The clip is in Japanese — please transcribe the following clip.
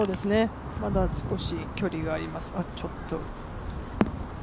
まだ少し距離があります。